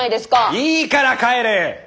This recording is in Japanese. いいから帰れッ！